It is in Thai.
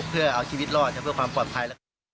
เพื่อเอาชีวิตรอดเพื่อความปลอดภัย